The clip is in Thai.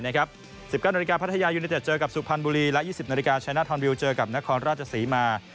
๑๙นาฬิกาพัทยายูเนเต็ดเจอกับสุพรรณบุรีและ๒๐นาฬิกาชนะทอนวิวเจอกับนครราชศรีมา